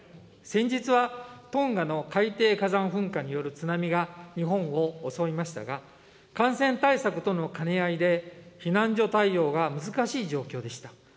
先日はトンガの海底火山噴火による津波が日本を襲いましたが、感染対策との兼ね合いで、避難所対応が難しい状況でした。